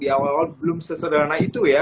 di awal awal belum sesederhana itu ya